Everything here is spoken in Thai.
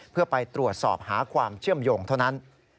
เพื่อไปตรวจสอบหาความเชื่อมโยงเท่านั้น